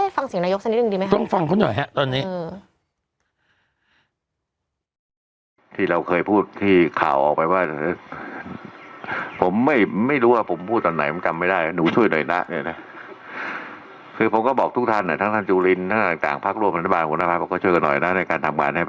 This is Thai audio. ฟังเสียงนายกสักนิดนึงดีไหมครับ